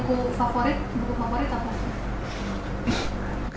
bang akbar punya buku favorit apa